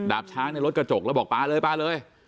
ดาบช้างในรถกระจกแล้วบอกปลาเลย